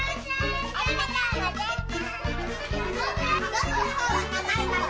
ありがとうございます。